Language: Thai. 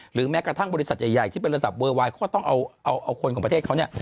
แม้กระทั่งบริษัทใหญ่ที่เป็นระดับเวอร์ไวน์ก็ต้องเอาคนของประเทศเขาเนี่ย